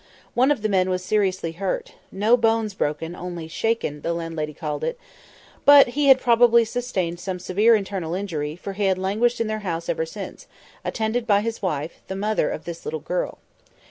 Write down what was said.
One of the men was seriously hurt—no bones broken, only "shaken," the landlady called it; but he had probably sustained some severe internal injury, for he had languished in their house ever since, attended by his wife, the mother of this little girl.